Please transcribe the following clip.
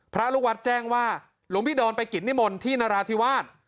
พระลูกวัดแจ้งว่าหลวงพี่ดอนไปกิจนิมนต์ที่นราธิวาส